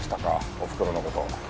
おふくろのこと。